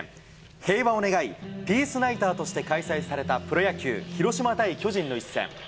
平和を願い、ピースナイターとして開催されたプロ野球、広島対巨人の一戦。